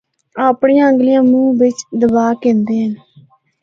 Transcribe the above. اپنڑیاں انگلیاں منہ بچ دبا گِھندے ہن۔